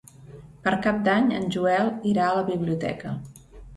Per Cap d'Any en Joel irà a la biblioteca.